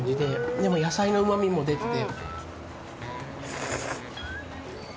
でも、野菜のうまみも出てて。